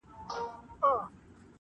د خوشحال غزل غزل مي دُر دانه دی,